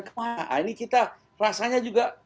kemana ini kita rasanya juga